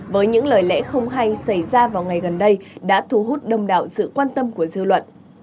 với những lời lẽ không hay xảy ra vào ngày gần đây đã thu hút đông đạo sự quan tâm của dư luận